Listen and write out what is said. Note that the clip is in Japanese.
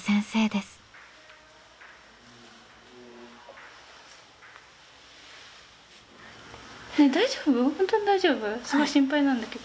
すごく心配なんだけど。